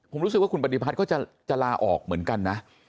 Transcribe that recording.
ผมรู้สึกว่าคุณปฏิพัฒน์ก็จะลาออกเหมือนกันนะ